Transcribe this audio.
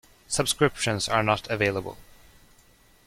Subscriptions are not available.